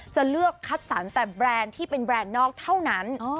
จะเลือกคัดสรรแต่แบรนด์ที่เป็นแบรนด์นอกเท่านั้น